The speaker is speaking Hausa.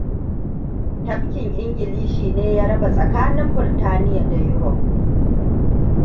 Tafkin English ne ya raba tsakanin Birtaniya da Europe.